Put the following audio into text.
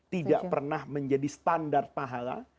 tidak pernah menjadi standar pahala